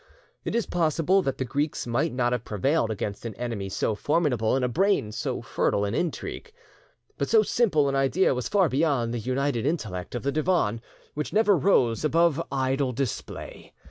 It is possible that the Greeks might not have prevailed against an enemy so formidable and a brain so fertile in intrigue. But so simple an idea was far beyond the united intellect of the Divan, which never rose above idle display.